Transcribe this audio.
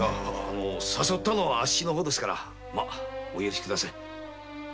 誘ったのはあっしの方ですからお許し下さい。